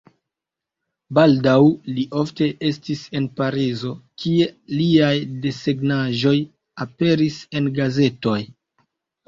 Baldaŭ li ofte estis en Parizo, kie liaj desegnaĵoj aperis en gazetoj.